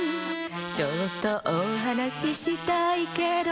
「ちょっとおはなししたいけど」